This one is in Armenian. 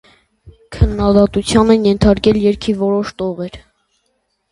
Քննադատության են ենթարկվել երգի որոշ տողեր։